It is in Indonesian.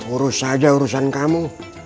urus aja urusan kamu